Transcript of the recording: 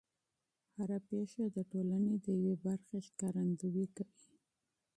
هر پېښه د ټولنې د یوې برخې ښکارندويي کوي.